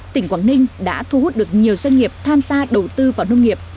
tỉnh quảng ninh đã thu hút được nhiều doanh nghiệp tham gia đầu tư vào nông nghiệp